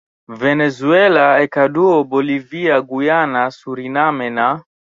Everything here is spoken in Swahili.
Venezuela Ecuador Bolivia Guyana Suriname na